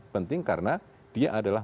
penting karena dia adalah